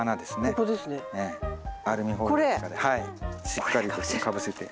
しっかりとかぶせて。